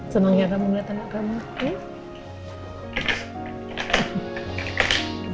senangnya kamu liat tangan kamu